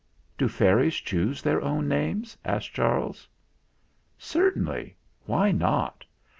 "Do fairies choose their own names?" asked Charles. "Certainly. Why not?